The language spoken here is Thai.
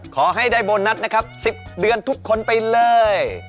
ขอให้ได้โบนัสนะครับ๑๐เดือนทุกคนไปเลย